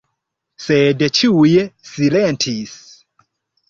Sed ĉiuj silentis.